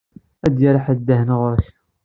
Ad d-yerr ḥedd ddhen ɣur-k.